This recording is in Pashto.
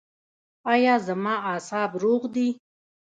ایا زما اعصاب روغ دي؟